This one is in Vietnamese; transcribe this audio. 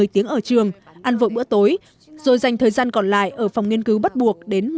một mươi tiếng ở trường ăn vội bữa tối rồi dành thời gian còn lại ở phòng nghiên cứu bắt buộc đến